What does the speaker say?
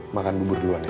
makan bubur dulu aneh